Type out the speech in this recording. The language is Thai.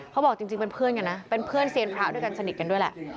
เขาบอกจริงเป็นเพื่อนกันนะเป็นเพื่อนเซียนพระด้วยกันสนิทกันด้วยแหละ